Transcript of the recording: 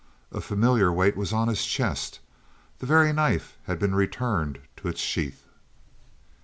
A familiar weight was on his chest the very knife had been returned to its sheath.